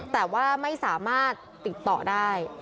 แต่ว่าไม่สามารถติดต่อได้